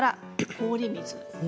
氷水？